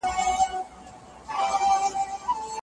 ماشوم به په ځان باور ولري.